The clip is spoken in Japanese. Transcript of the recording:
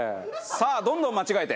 さあどんどん間違えて。